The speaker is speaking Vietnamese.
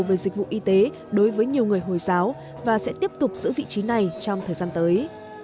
về dịch vụ y tế đối với nhiều người hồi giáo và sẽ tiếp tục giữ vị trí này trong thời gian tới